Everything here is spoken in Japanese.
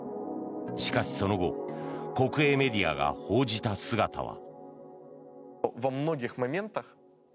しかし、その後国営メディアが報じた姿は。